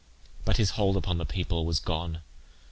But his hold upon the people was gone.